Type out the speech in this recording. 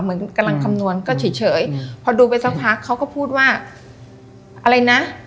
เหมือนกำลังคำนวณก็เฉยพอดูไปสักพักเขาก็พูดว่าอะไรนะ